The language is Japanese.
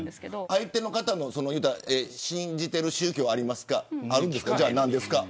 相手の方の信じてる宗教あるんですか